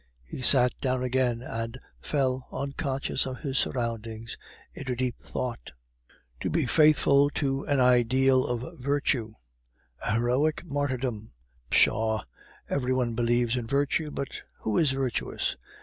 He sat down again and fell, unconscious of his surroundings, into deep thought. "To be faithful to an ideal of virtue! A heroic martyrdom! Pshaw! every one believes in virtue, but who is virtuous?